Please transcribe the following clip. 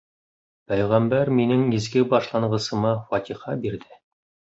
Пәйғәмбәр минең изге башланғысыма фатиха бирҙе.